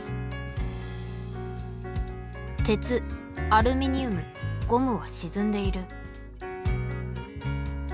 鉄アルミニウムゴムは沈んでいる。